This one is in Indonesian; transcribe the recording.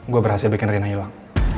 gue berhasil bikin rina hilang